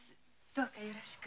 どうかよろしく。